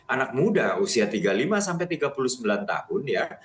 anak muda usia tiga puluh lima sampai tiga puluh sembilan tahun ya